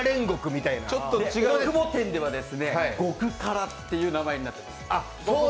大久保店では極辛という名前になっています。